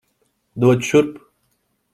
Dod šurp!